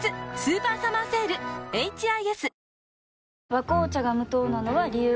「和紅茶」が無糖なのは、理由があるんよ。